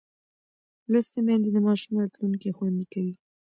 لوستې میندې د ماشوم راتلونکی خوندي کوي.